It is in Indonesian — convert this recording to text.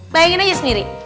bayangin aja sendiri